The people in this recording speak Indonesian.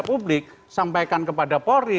publik sampaikan kepada polri